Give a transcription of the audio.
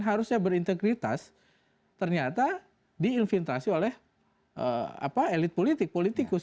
harusnya berintegritas ternyata di infiltrasi oleh elit politik politikus